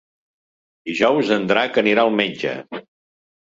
Dijous en Drac anirà al metge.